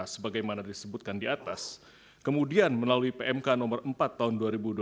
sebagaimana disebutkan di atas kemudian melalui pmk nomor empat tahun dua ribu dua puluh